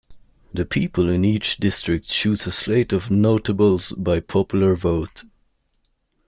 The people in each district chose a slate of "notables" by popular vote.